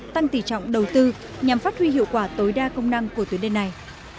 tăng tỷ trọng đầu tư nhằm phát huy hiệu quả tối đa công năng của tuyến đê này